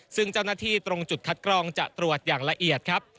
ซึ่งเจ้าหน้าที่ตรงจุดคัดกรองจะตรวจอย่างละเอียดครับ